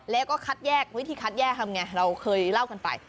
แล้วก็คัดแยกวิธีคัดแยกทำไงเราเคยเล่ากันไป